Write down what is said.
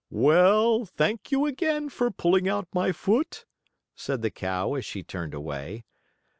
"Well, thank you again for pulling out my foot," said the cow, as she turned away.